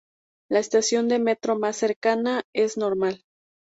La estación de Metro más cercana es Normal.